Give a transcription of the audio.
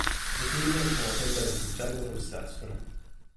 Le pinne sono tendenti giallo-rossastro.